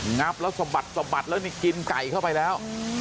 งับแล้วสะบัดสะบัดแล้วนี่กินไก่เข้าไปแล้ว